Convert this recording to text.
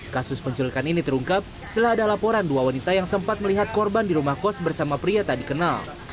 kasus penculikan ini terungkap setelah ada laporan dua wanita yang sempat melihat korban di rumah kos bersama pria tak dikenal